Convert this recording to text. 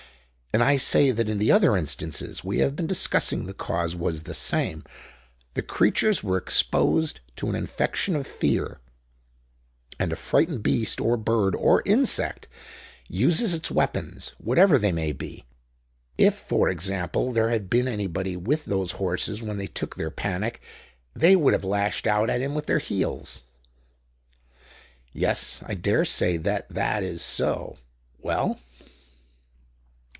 And I say that in the other instances we have been discussing the cause was the same. The creatures were exposed to an infection of fear, and a frightened beast or bird or insect uses its weapons, whatever they may be. If, for example, there had been anybody with those horses when they took their panic they would have lashed out at him with their heels." "Yes, I dare say that that is so. Well."